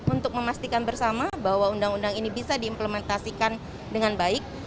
untuk memastikan bersama bahwa undang undang ini bisa diimplementasikan dengan baik